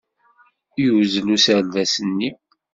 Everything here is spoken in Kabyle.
Yuzzel userdas-nni.